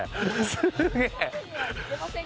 すげえ！